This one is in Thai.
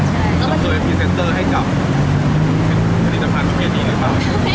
แล้วเกิดพรีเซ็นเตอร์ให้กลับผลิตภัณฑ์ช่วยดีหรือเปล่า